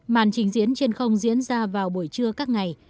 màn trình diễn trên không diễn ra vào buổi trưa các ngày